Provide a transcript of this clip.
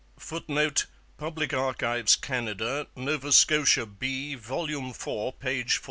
[Footnote: Public Archives, Canada. Nova Scotia B, vol. iv, p. 14.